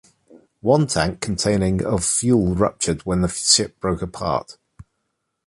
One tank containing of fuel ruptured when the ship broke apart.